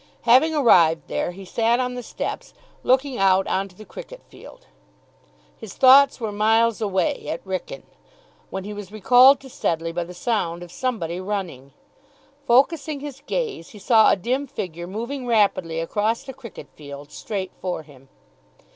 Having arrived there, he sat on the steps, looking out on to the cricket field. His thoughts were miles away, at Wrykyn, when he was recalled to Sedleigh by the sound of somebody running. Focussing his gaze, he saw a dim figure moving rapidly across the cricket field straight for him.